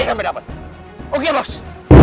saya tapi nyenyakan yang sama